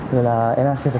rồi là em đã xếp về